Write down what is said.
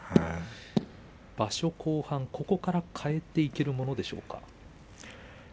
場所後半、ここから変えていけるもんでしょうか？